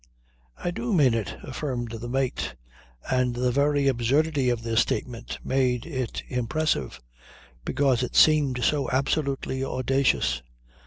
"I do mean it," affirmed the mate, and the very absurdity of the statement made it impressive because it seemed so absolutely audacious.